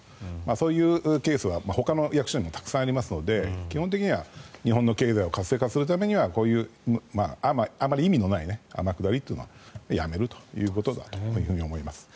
そういうケースはほかの役所にもたくさんありますので基本的には日本の経済を活性化させるためにはこういう、あまり意味のない天下りというのはやめるということだと思います。